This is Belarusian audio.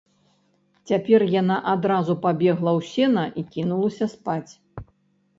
Цяпер яна адразу пабегла ў сена і кінулася спаць.